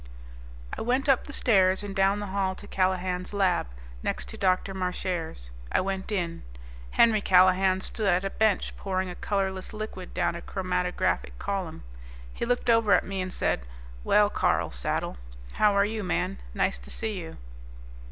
I went up the stairs and down the hall to Callahan's lab, next to Dr. Marchare's. I went in. Henry Callahan stood at a bench pouring a colorless liquid down a chromatographic column. He looked over at me and said, "Well, Carl Saddle. How are you, man? Nice to see you."